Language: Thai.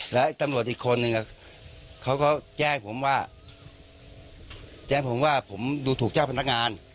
แล้วตำรวจอีกคนนึงเขาก็แจ้งผมว่าแจ้งผมว่าผมดูถูกเจ้าพนักงาน